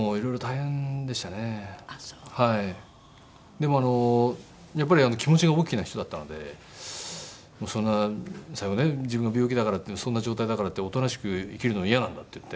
でもやっぱり気持ちが大きな人だったのでそんな最後ね自分が病気だからって「そんな状態だからっておとなしく生きるのは嫌なんだ」って言って。